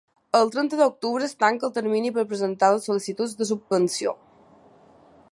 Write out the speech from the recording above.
El trenta d'octubre es tanca el termini per presentar les sol·licituds de subvenció.